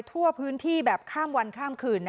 ทั่วพื้นที่แบบข้ามวันข้ามคืน